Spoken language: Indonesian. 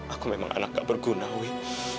aku memang anak gak berguna wit